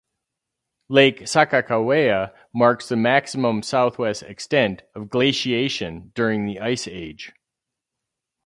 Lake Sakakawea marks the maximum southwest extent of glaciation during the ice age.